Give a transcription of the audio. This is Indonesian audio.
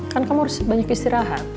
kan kamu harus banyak istirahat